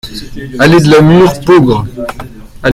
Allée de la Mûre, Peaugres